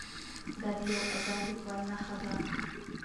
دا د یو ازاد لیکوال نښه ده.